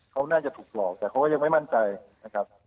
เขาน่าจะถูกหลอกแต่เขาก็ยังไม่มั่นใจนะครับ